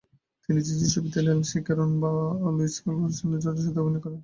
তিনি জিজি ছবিতে Leslie Caron ও লুইস জর্ডানের সাথে অভিনয় করেন।